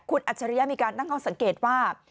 คุณอัชริยามีการนั่งห้องสังเกตว่า